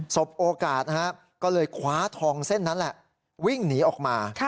สบโอกาสก็เลยคว้าทองเส้นนั้นแหละวิ่งหนีออกมา